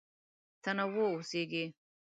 تنوع اوسېږي.